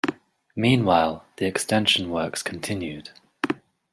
Meanwhile the extension works continued.